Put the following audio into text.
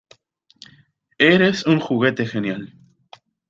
¡ Eres un juguete genial!